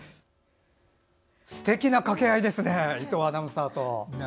すてきな掛け合いですね伊藤アナウンサーと。